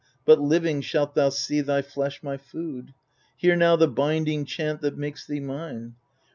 But living shalt thou see thy flesh my food. Hear now the binding chant that msLkes thee mine.